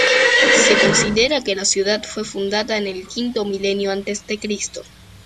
Se considera que la ciudad fue fundada en el V milenio antes de Cristo.